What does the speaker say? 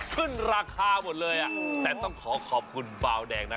ขึ้นราคาหมดเลยอ่ะแต่ต้องขอขอบคุณเบาแดงนะ